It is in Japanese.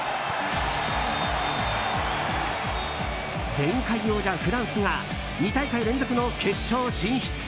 前回王者フランスが２大会連続の決勝進出。